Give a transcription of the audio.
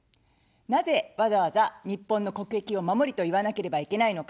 なぜわざわざ日本の国益を守りと言わなければいけないのか。